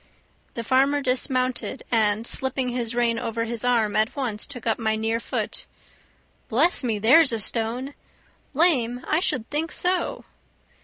The farmer dismounted, and slipping his rein over his arm at once took up my near foot. "Bless me, there's a stone! Lame! I should think so!"